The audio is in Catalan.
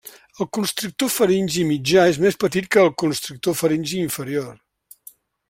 El constrictor faringi mitjà és més petit que el constrictor faringi inferior.